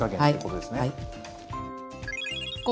はい。